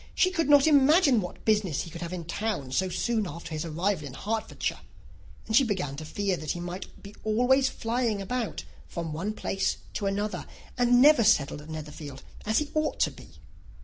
She could not imagine what business he could have in town so soon after his arrival in Hertfordshire; and she began to fear that he might always be flying about from one place to another, and never settled at Netherfield as he ought to be.